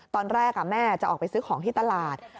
ตอนแรกแม่จะออกไปซื้อของที่ตลาด